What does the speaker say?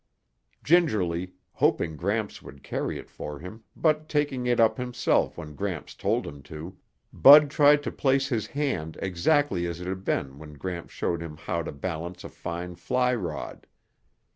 Gingerly, hoping Gramps would carry it for him but taking it up himself when Gramps told him to, Bud tried to place his hand exactly as it had been when Gramps showed him how to balance a fine fly rod.